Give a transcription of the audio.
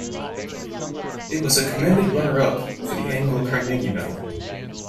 It was a commended runner-up for the annual Carnegie Medal.